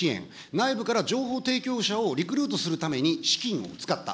内部から情報提供者をリクルートするために資金を使った。